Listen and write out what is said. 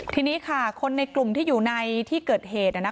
ทีนี้ค่ะคนในกลุ่มที่อยู่ในที่เกิดเหตุ